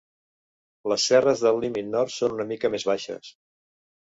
Les serres del límit nord són una mica més baixes.